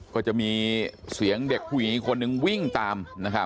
ก็จะมีเสียงเด็กผู้หญิงอีกคนนึงวิ่งตาม